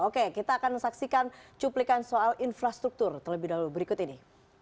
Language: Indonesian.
oke kita akan saksikan cuplikan soal infrastruktur terlebih dahulu berikut ini